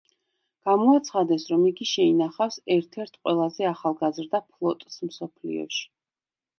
გამოაცხადეს, რომ იგი შეინახავს ერთ-ერთ ყველაზე ახალგაზრდა ფლოტს მსოფლიოში.